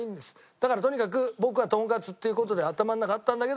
だからとにかく僕はとんかつっていう事で頭の中あったんだけども。